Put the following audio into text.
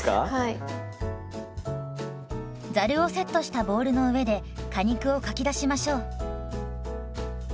ざるをセットしたボウルの上で果肉をかき出しましょう。